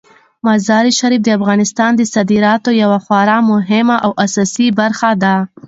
مزارشریف د افغانستان د صادراتو یوه خورا مهمه او اساسي برخه ده.